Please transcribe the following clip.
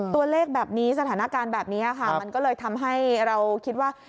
ตัวเลขแบบนี้สถานการณ์แบบนี้ค่ะมันก็เลยทำให้เราคิดว่า